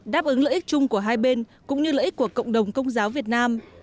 đáp ứng lợi ích chung của hai bên cũng như lợi ích của cộng đồng công giáo việt nam